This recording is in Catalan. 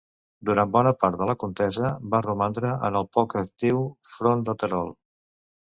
Durant bona part de la contesa va romandre en el poc actiu front de Terol.